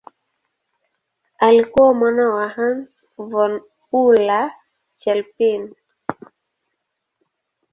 Alikuwa mwana wa Hans von Euler-Chelpin.